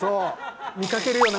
見かけるよな。